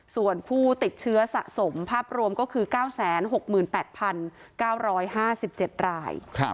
ส่วนผู้ติดเชื้อสะสมภาพรวมก็คือ๙๖๘๙๕๗ราย